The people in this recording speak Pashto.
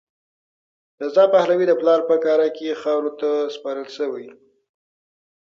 رضا پهلوي د پلار په قاره کې خاورو ته سپارل شوی.